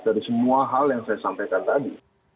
dari semua hal yang saya sampaikan tadi